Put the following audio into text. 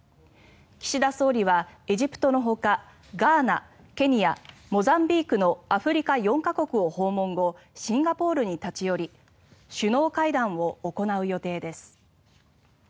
岸田総理はエジプトのほかガーナ、ケニア、モザンビークのアフリカ４か国を訪問後シンガポールに立ち寄り首脳会談を行う予定です。